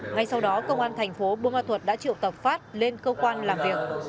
ngay sau đó công an tp bunma thuật đã triệu tập phát lên cơ quan làm việc